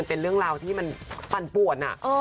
เป็นเรื่องราวที่มันปั่นป่วน